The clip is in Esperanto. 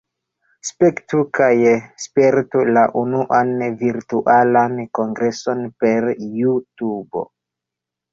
Spektu kaj spertu la unuan Virtualan Kongreson per JuTubo!